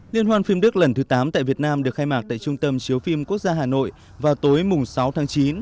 liên hoan phim đức lần thứ tám tại việt nam được khai mạc tại trung tâm chiếu phim quốc gia hà nội vào tối sáu tháng chín